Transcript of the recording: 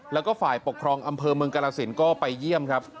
แล้วก็ฝ่ายปกครองอำเภอเมืองกรสินก็ไปเยี่ยมครับ